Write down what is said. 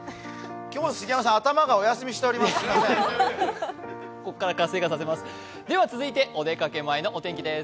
今日は杉山さん、頭がお休みしております。